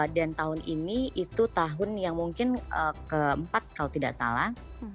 dan tahun ini itu tahun yang mungkin keempat kalau tidak salah